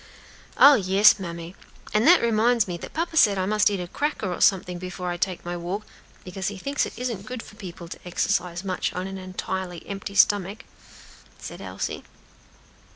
"Oh, yes, mammy! and that reminds me that papa said I must eat a cracker or something before I take my walk, because he thinks it isn't good for people to exercise much on an entirely empty stomach," said Elsie.